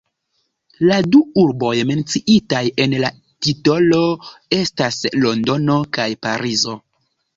La du urboj menciitaj en la titolo estas Londono kaj Parizo.